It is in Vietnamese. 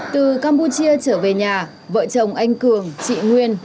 từ campuchia trở về nhà vợ chồng anh cường chị nguyên